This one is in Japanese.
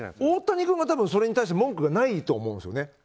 大谷君がそれに対して文句はないと思うんですよね。